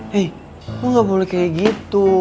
hei gue gak boleh kayak gitu